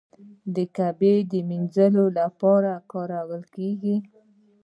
د کعبې مینځلو لپاره کارول کیږي.